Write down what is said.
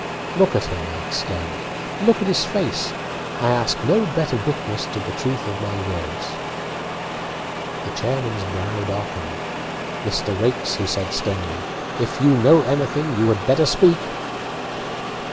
"Look at him!" I exclaimed. "Look at his face! I ask no better witness to the truth of my words." The chairman's brow darkened. "Mr. Raikes," he said, sternly, "if you know anything you had better speak."